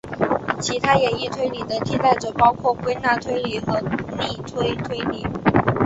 其他演绎推理的替代者包括归纳推理和逆推推理。